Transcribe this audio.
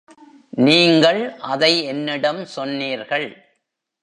நீங்கள் அதை என்னிடம் சொன்னீர்கள்.